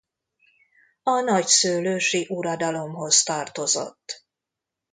A nagyszőlősi uradalomhoz tartozott.